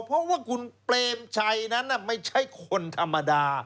เพราะว่าคุณเปรมชัยนั้นไม่ใช่คนธรรมดา